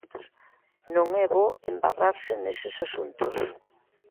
Non é bo embarrarse neses asuntos.